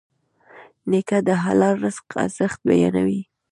نیکه د حلال رزق ارزښت بیانوي.